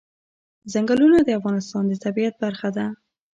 ځنګلونه د افغانستان د طبیعت برخه ده.